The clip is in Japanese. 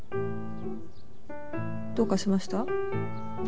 どうかしました？